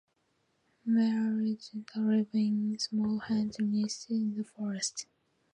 Male residents live in small huts nestled in the forest.